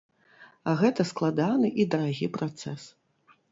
А гэта складаны і дарагі працэс.